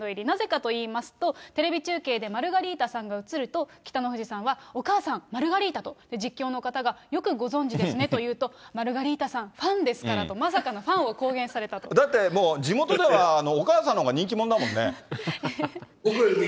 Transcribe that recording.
なぜかといいますと、テレビ中継でマルガリータさんが映ると、北の富士さんは、お母さん、マルガリータさんの実況の方がよくご存じですねと言うと、マルガリータさん、ファンですからと、まさかのファンの公言されだってもう、地元ではお母さんのほうが人気者だもんね。